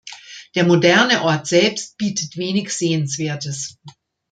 Der moderne Ort selbst bietet wenig Sehenswertes.